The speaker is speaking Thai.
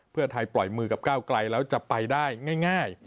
เพื่อไทยปล่อยมือกับก้าวไกลแล้วจะไปได้ง่าย